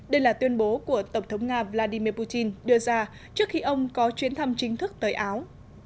đây là tuyên bố của tổng thống nga vladimir putin đưa ra trước khi ông có chuyến thăm chính thức tới áo